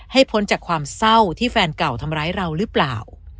พ้นจากความเศร้าที่แฟนเก่าทำร้ายเราหรือเปล่า